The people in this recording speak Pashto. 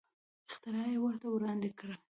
اختراع یې ورته وړاندې کړه.